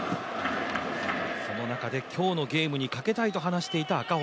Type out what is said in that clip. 今日のゲームにかけたいと話していた赤星。